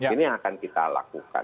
ini yang akan kita lakukan